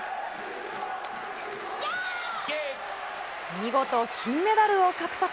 見事金メダルを獲得。